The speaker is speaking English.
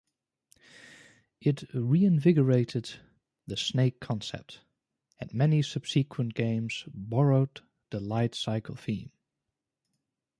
It reinvigorated the snake concept, and many subsequent games borrowed the light cycle theme.